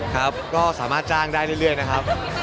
ครับก็สามารถจ้างได้เรื่อยนะครับ